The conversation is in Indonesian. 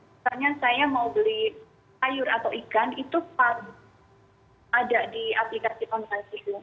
misalnya saya mau beli sayur atau ikan itu ada di aplikasi online itu